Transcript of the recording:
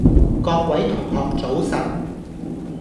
各位同學早晨